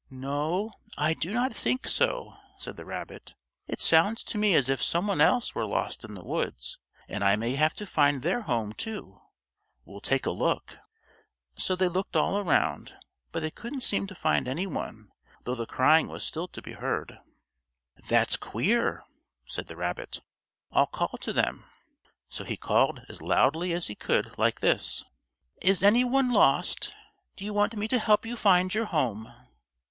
"No, I do not think so," said the rabbit. "It sounds to me as if some one else were lost in the woods, and I may have to find their home, too. We'll take a look." So they looked all around, but they couldn't seem to find any one, though the crying was still to be heard. "That's queer," said the rabbit, "I'll call to them." So he called as loudly as he could like this: "Is any one lost? Do you want me to help you find your home?"